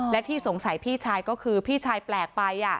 และที่สงสัยพี่ชายก็คือพี่ชายแปลกไป